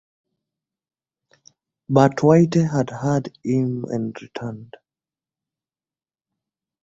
But Waite had heard him and returned.